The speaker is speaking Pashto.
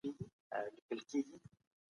ايا رښتيا ويل مهم دي؟